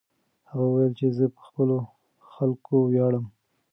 هغه وویل چې زه په خپلو خلکو ویاړم.